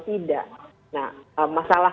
tidak nah masalah